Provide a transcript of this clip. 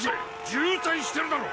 渋滞してるだろ！